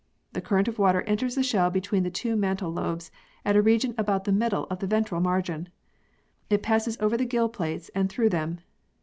The current of water enters the shell between the two mantle lobes at a region about the middle of the ventral margin. It passes over the gill plates and through them.